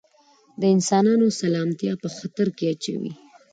د انسانانو سلامتیا په خطر کې اچوي.